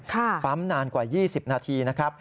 ปั๊มนานกว่า๒๐นาทีนะครับ